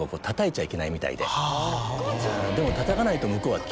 でも。